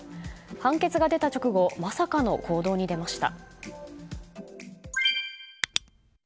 判決が出た直後まさかの行動に出ました。